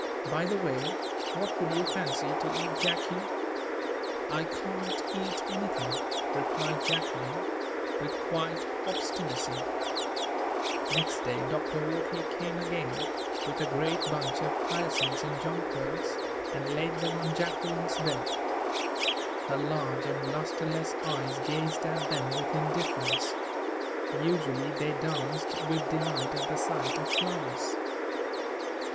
By the way, what would you fancy to eat, Jacky?" "I can't eat anything," replied Jacqueline, with quiet obstinacy. Next day Dr. Wortley came again, with a great bunch of hyacinths and jonquils, and laid them on Jacqueline's bed. Her large and lusterless eyes gazed at them with indifference. Usually they danced with delight at the sight of flowers.